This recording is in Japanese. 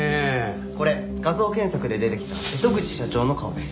これ画像検索で出てきた瀬戸口社長の顔です。